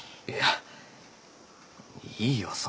いやいいよ